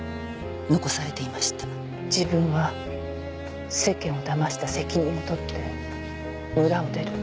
「自分は世間をだました責任を取って村を出る。